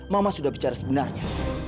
mama sudah bicara sebenarnya